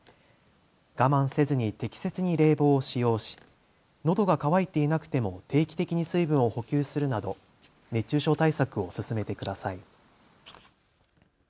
我慢せずに適切に冷房を使用しのどが渇いていなくても定期的に水分を補給するなど熱中症対策を進めてください。